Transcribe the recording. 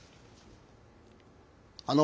・あの。